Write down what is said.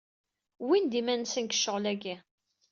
Wwin-d iman-nsen deg ccɣel-agi.